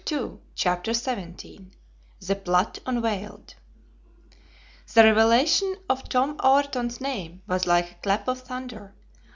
_" CHAPTER XVII THE PLOT UNVEILED THE revelation of Tom Ayrton's name was like a clap of thunder.